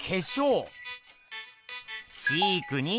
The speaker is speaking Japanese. チークに。